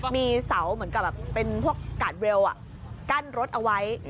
มีเสาเหมือนกับแบบเป็นพวกกาดเรลกั้นรถเอาไว้